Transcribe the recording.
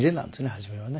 初めはね。